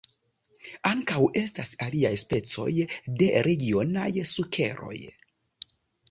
Ankaŭ estas aliaj specoj de regionaj sukeroj.